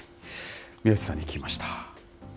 宮内さんに聞きました。